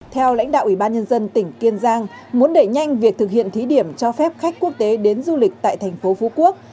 theo lãnh đạo ủy ban nhân dân tỉnh kiên giang muốn đẩy nhanh việc thực hiện thí điểm cho phép khách quốc tế đến du lịch tại thành phố phú quốc